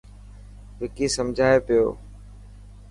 وڪي سمجهائي پيو.